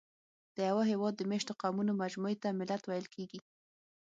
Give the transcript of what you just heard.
د یوه هېواد د مېشتو قومونو مجموعې ته ملت ویل کېږي.